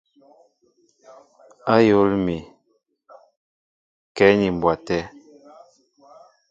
Ayól mi kɛ ni mbwa té.